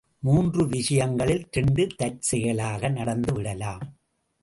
மூன்று விஷயங்களில் இரண்டு தற்செயலாக நடந்து விடலாம்.